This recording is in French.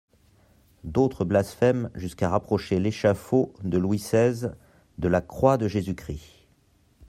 D'autres blasphèment jusqu'à rapprocher l'échafaud de Louis seize de la croix de Jésus-Christ.